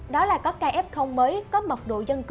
đó là có kf mới có mật độ dân cư